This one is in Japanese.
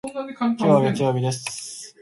今日は月曜日です。